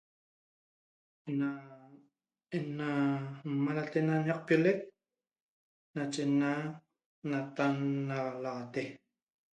Ena nmalate ena ñaqpioleq nache na natannaxalate